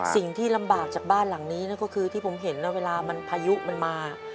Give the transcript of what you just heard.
สิ่งที่ลำบากจากบ้านหลังนี้นะก็คือที่ผมเห็นนะเวลามันพายุมันมา